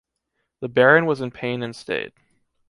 The baron was in pain and stayed.